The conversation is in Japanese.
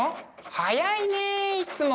早いねいつも。